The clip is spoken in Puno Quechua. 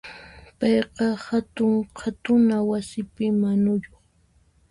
Payqa hatun qhatuna wasipi manuyuq.